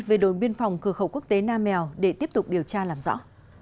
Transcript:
về đồn biên phòng cửa khẩu quốc tế nam mèo để tiếp tục điều tra làm rõ